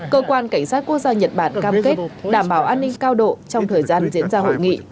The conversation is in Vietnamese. cơ quan cảnh sát quốc gia nhật bản cam kết đảm bảo an ninh cao độ trong thời gian diễn ra hội nghị